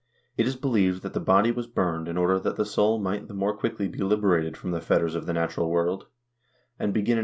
It is believed that the body was burned in order that the soul might the more quickly be liberated from the fetters of the natural world, and begin Fig.